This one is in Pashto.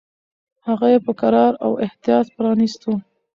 هغه یې په کراره او احتیاط پرانیستو.